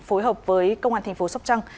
phối hợp với công an tp sóc trăng